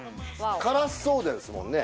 辛そうですもんね